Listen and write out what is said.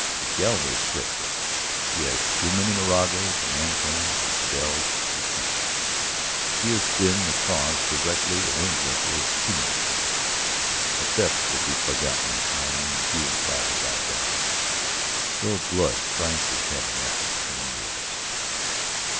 But Galloway has slipped up; he has too many Moragas and Antones and Vidals at his heels; he has been the cause, directly or indirectly, of too many killings. ... A theft will be forgotten in time, the hue and cry die down; spilled blood cries to heaven after ten years."